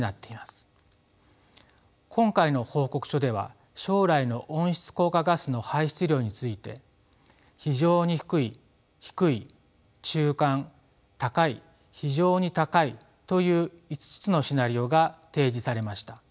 今回の報告書では将来の温室効果ガスの排出量について非常に低い低い中間高い非常に高いという５つのシナリオが提示されました。